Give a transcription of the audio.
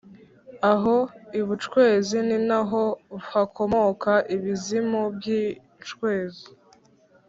Aho I bucwezi ni na ho hakomoka ibizimu by’icwezi